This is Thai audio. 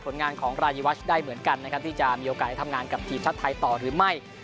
งานของรายีวัชได้เหมือนกันนะครับที่จะมีโอกาสได้ทำงานกับทีมชาติไทยต่อหรือไม่